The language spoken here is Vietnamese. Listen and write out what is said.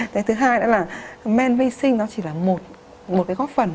cái thứ hai nữa là men vi sinh nó chỉ là một cái góp phần